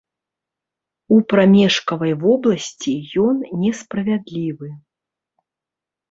У прамежкавай вобласці ён несправядлівы.